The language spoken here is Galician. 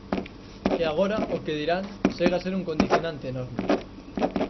E agora o que dirán segue a ser un condicionante enorme.